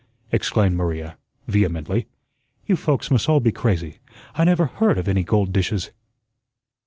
exclaimed Maria, vehemently. "You folks must all be crazy. I never HEARD of any gold dishes."